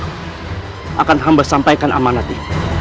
aku akan hamba sampaikan amanat ini